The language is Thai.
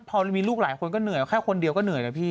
พอมีลูกหลายคนก็เหนื่อยแค่คนเดียวก็เหนื่อยนะพี่